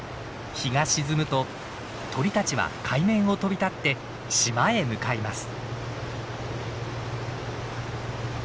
日が沈むと鳥たちは海面を飛び立って島へ向かいます。